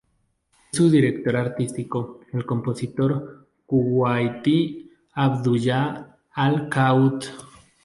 Es su director artístico, es el compositor kuwaití Abdullah Al-Qa'ud.